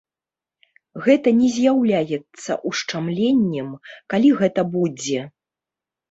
Гэта не з'яўляецца ушчамленнем, калі гэта будзе.